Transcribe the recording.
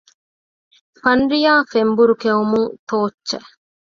ފަންރިޔާ ފެންބަރު ކެއުމުން ތޯއްޗެއް